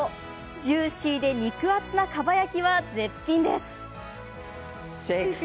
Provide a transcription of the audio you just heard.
ジューシーで肉厚なかば焼きは絶品です。